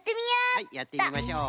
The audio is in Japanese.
はいやってみましょう。